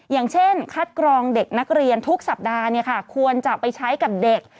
อย่างเช่นคัดกรองเด็กนักเรียนทุกสัปดาห์ควรจะไปใช้กับเด็ก